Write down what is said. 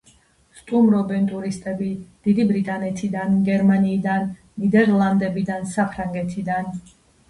სტუმრობენ ტურისტები დიდი ბრიტანეთიდან, გერმანიიდან, ნიდერლანდებიდან, საფრანგეთიდან.